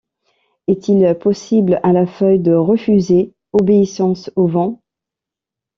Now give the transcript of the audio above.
Est-il possible à la feuille de refuser obéissance au vent?